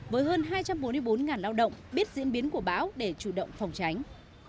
với hơn hai trăm bốn mươi bốn lao động biết diễn biến của bão để chủ động phòng tránh